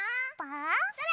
それ！